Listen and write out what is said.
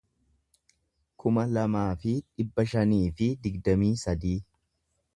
kuma lamaa fi dhibba shanii fi digdamii sadii